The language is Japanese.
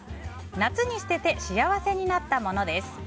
夏に捨てて幸せになったものです。